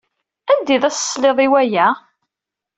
Anda i d as-tesliḍ i waya?